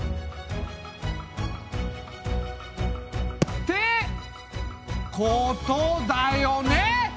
ってことだよね！